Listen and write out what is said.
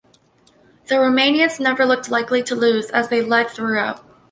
The Romanians never looked likely to lose as they led throughout.